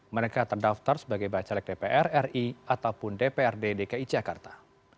mereka terdaftar sebagai bacalek dpr ri ataupun dprd dki jakarta